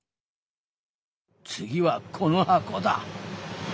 次はこの箱だ。